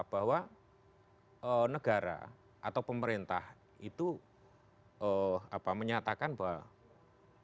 bahwa negara atau pemerintah itu menyatakan bahwa ekspresi kebebasan dalam kontrolnya